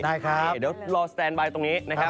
เดี๋ยวรอสแตนบายตรงนี้นะครับ